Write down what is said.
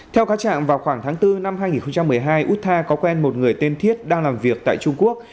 theo cáo trạng vào khoảng tháng bốn năm hai nghìn một mươi hai út tha có quen một người tên thiết đang làm việc tại trung quốc